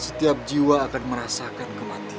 setiap jiwa akan merasakan kematian